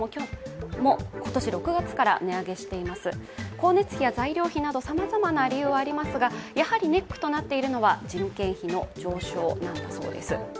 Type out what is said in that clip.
光熱費や材料費などさまざまな要因はありますがやはりネックとなっているのは人件費の上昇なんだそうです。